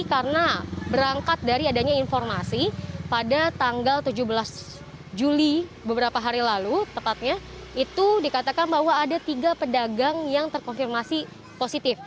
karena berangkat dari adanya informasi pada tanggal tujuh belas juli beberapa hari lalu tepatnya itu dikatakan bahwa ada tiga pedagang yang terkonfirmasi positif